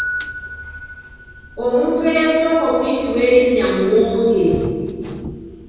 Omuntu eyasooka okuyitibwa erinnya Muwonge.